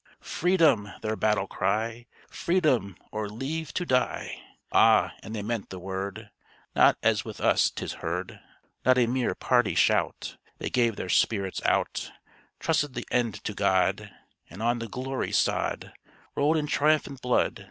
"Freedom!" their battle cry, Freedom! or leave to die!" Ah! and they meant the word, Not as with us 'tis heard, Not a mere party shout: They gave their spirits out; Trusted the end to God, And on the gory sod Rolled in triumphant blood.